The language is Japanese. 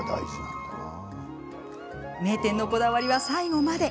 名店のこだわりは最後まで。